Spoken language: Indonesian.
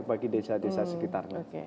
bagi desa desa sekitarnya